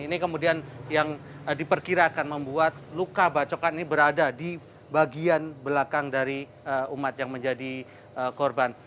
ini kemudian yang diperkirakan membuat luka bacokan ini berada di bagian belakang dari umat yang menjadi korban